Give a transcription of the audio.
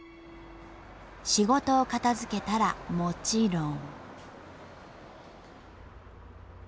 仕事を片づけたらもちろん。